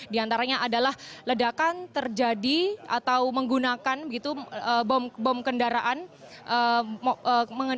di antaranya adalah ledakan terjadi atau menggunakan bom kendaraan